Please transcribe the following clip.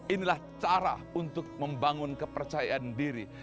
inilah cara untuk membangun kepercayaan diri